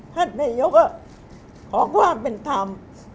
ท่านนายกก็ขอความเป็นธรรม